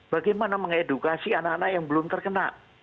bagaimana mengedukasi anak anak yang belum terkena